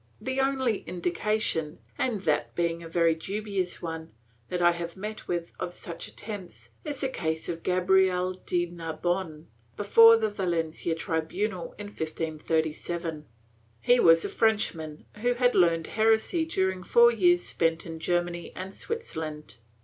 The only indication — and that a very dubious one — that I have met of such attempts, is the case of Gabriel de Narbonne, before the Valencia tribunal in 1537. He was a Frenchman, who had learned heresy during four years spent in Germany and Switzerland.